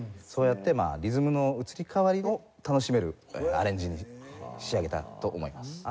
そうやってリズムの移り変わりを楽しめるアレンジに仕上げたと思います。